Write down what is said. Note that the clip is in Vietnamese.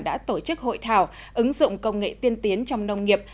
đã tổ chức hội thảo ứng dụng công nghệ tiên tiến trong nông nghiệp